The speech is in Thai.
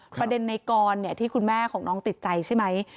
ประเด็นในกรที่คุณแม่ของน้องติดใจใช่ไหม